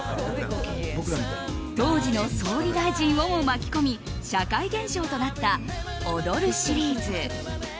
当時の総理大臣をも巻き込み社会現象となった「踊る」シリーズ。